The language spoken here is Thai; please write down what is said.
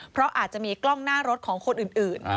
เพราะอาจจะมีกล้องหน้ารถของคนอื่น